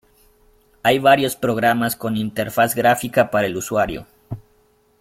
Hay varios programas con interfaz gráfica para el usuario.